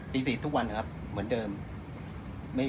ตี๔ทุกวันนะครับเหมือนเดิม